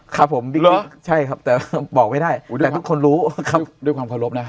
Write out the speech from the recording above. ครับผมบิ๊กใช่ครับแต่บอกไม่ได้แต่ทุกคนรู้ครับด้วยความเคารพนะ